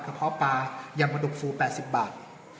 เพาะปลายำปลาดุกฟู๘๐บาท